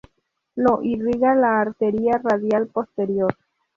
Lo irriga la arteria radial posterior.